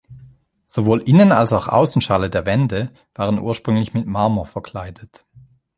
Sowohl Innen- als auch Außenschale der Wände waren ursprünglich mit Marmor verkleidet.